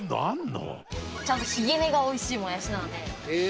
ちゃんとヒゲ根がおいしいもやしなので。